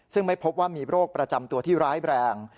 ซึ่งไม่พบว่ามีโรคประจำตัวที่ร้ายแรง